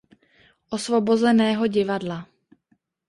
Osvobozeného divadla.